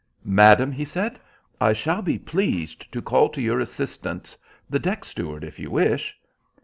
"Madam," he said, "I shall be pleased to call to your assistance the deck steward if you wish."